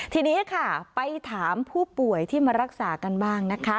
ทีนี้ค่ะไปถามผู้ป่วยที่มารักษากันบ้างนะคะ